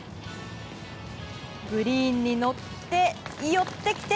グリーンに乗って寄ってきて。